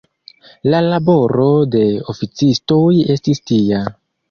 La laboro de oficistoj estis tia.